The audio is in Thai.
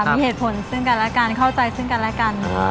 มีเหตุผลซึ่งกันและกันเข้าใจซึ่งกันและกัน